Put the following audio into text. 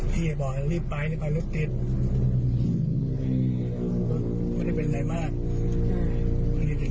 พี่จะบอกว่ารีบไปรีบไปรถติดไม่ได้เป็นไรมากอืม